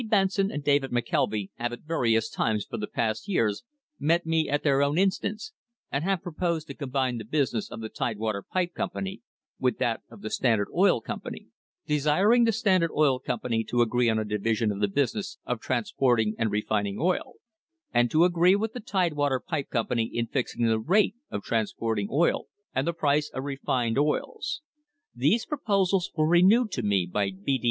Benson and David McKelvy have at various times for the past years met me at their own instance, and have proposed to combine the business of the Tide THE HISTORY OF THE STANDARD OIL COMPANY water Pipe Company with that of the Standard Oil Company, desiring the Standard Oil Company to agree on a division of the business of transporting and refining oil, and to agree with the Tidewater Pipe Company in fixing the rate of transporting oil and the price of refined oils. These proposals were renewed to me by B.